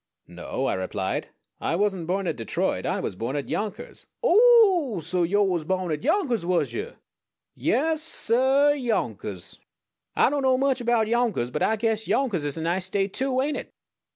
"No," I replied, "I wasn't born at Detroit; I was born at Yonkers " "O o oh! So yo' was born at Yonkers, was yuh? Yaas, suh Yonkers! Ah don't know much erbout Yonkers; but Ah guess Yonkers is a nice State too, ain't it?"